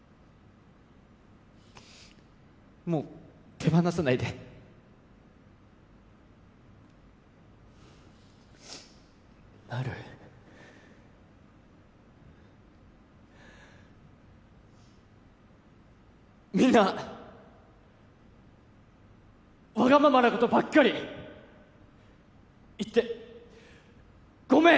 もう手放さないでなるみんなわがままなことばっかり言ってごめん